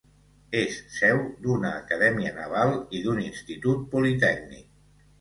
És seu d'una acadèmia naval i d'un institut politècnic.